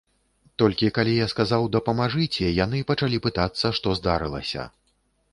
Толькі калі я сказаў, дапамажыце, яны пачалі пытацца, што здарылася.